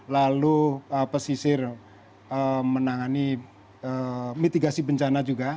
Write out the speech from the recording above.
lalu pesisir menangani mitigasi bencana juga